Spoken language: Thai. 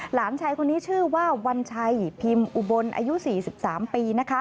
หลานชายคนนี้ชื่อว่าวัญชัยพิมพ์อุบลอายุ๔๓ปี